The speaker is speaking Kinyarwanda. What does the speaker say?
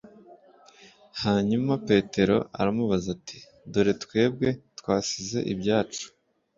hanyuma petero aramubaza ati “dore twebwe twasize ibyacu